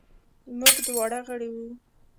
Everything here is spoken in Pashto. موږ دواړه غړي وو.